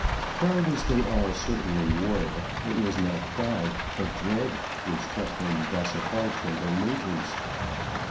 Proud as they all certainly were, it was not pride, but dread, which kept them thus apart from their neighbors.